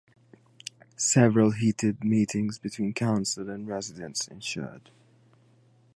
Several heated meetings between Council and residents ensured.